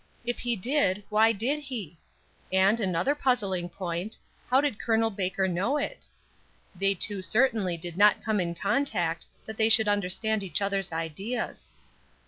If he did, why did he? And, another puzzling point, how did Col. Baker know it? They two certainly did not come in contact, that they should understand each other's ideas.